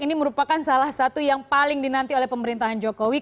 ini merupakan salah satu yang paling dinanti oleh pemerintahan jokowi